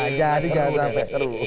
nah jadi jangan sampai seru